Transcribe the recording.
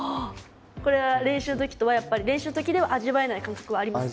これは練習の時とはやっぱり練習の時では味わえない感覚はありますか？